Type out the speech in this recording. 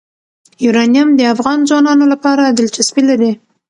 یورانیم د افغان ځوانانو لپاره دلچسپي لري.